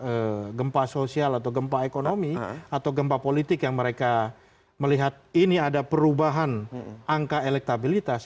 ada gempa sosial atau gempa ekonomi atau gempa politik yang mereka melihat ini ada perubahan angka elektabilitas